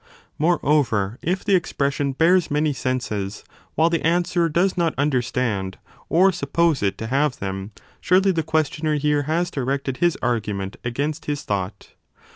Moreover, if the expression bears many senses, while the answerer does not understand or suppose it to have them, surely the questioner here has directed his argument against his thought